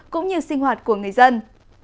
cũng như sinh hoạt của người dân